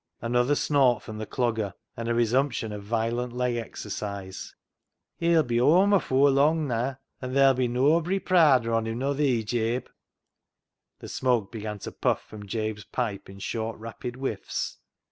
Another snort from the Clogger, and a resumption of violent leg exercise. " He'll be whoam afoor lung, naa, and ther'll be noabry praader on him nor thee, Jabe." The smoke began to puff from Jabe's pipe in short, rapid whiffs.